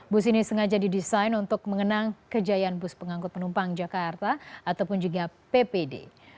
bus ini sengaja didesain untuk mengenang kejayaan bus pengangkut penumpang jakarta ataupun juga ppd